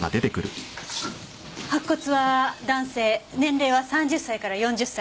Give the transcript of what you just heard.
白骨は男性年齢は３０歳から４０歳。